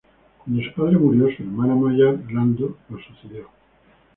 Cuando su padre murió, su hermano mayor, Lando, lo sucedió.